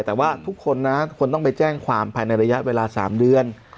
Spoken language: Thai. แต่ว่าทุกคนนะควรต้องไปแจ้งความภายในระยะเวลา๓เดือน